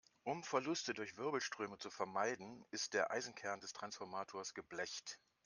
Um Verluste durch Wirbelströme zu vermeiden, ist der Eisenkern des Transformators geblecht.